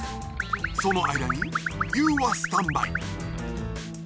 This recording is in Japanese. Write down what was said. その間にＹＯＵはスタンバイ。